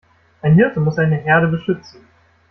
Ein Hirte muss seine Herde beschützen.